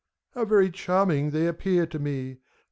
How very charming they appear to me!